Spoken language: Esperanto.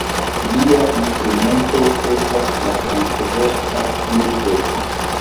Lia instrumento estas la transversa fluto.